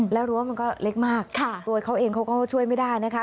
แล้วรั้วมันก็เล็กมากตัวเขาเองเขาก็ช่วยไม่ได้นะคะ